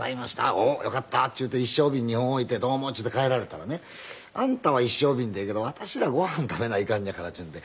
「おっよかった」って言うて一升瓶２本置いて「どうも」って言って帰られたらねあんたは一升瓶でええけど私らご飯食べないかんねやからっていうんで。